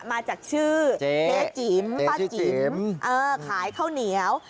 มาจากชื่อเจ๊จิ๋มป้าจิ๋มขายข้าวเหนียว